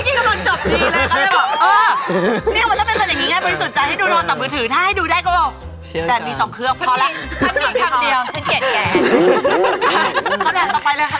ฉันมีฉันมีทางเดียวฉันเกลียดแก